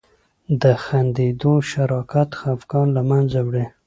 د خندیدو شراکت خفګان له منځه وړي.